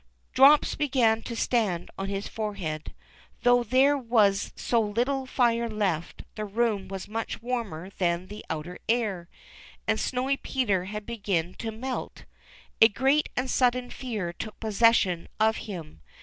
Drops began to stand on his forehead. Though there was so little fire left, the room was much warmer than the outer air, and Snowy Peter had begun to melt A great and sudden fear took possession of him.